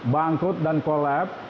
bangkrut dan kolab